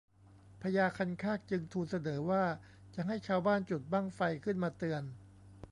พญาคันคากจึงทูลเสนอว่าจะให้ชาวบ้านจุดบั้งไฟขึ้นมาเตือน